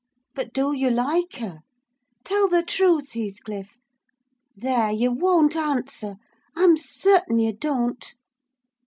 But do you like her? Tell the truth, Heathcliff! There, you won't answer. I'm certain you don't."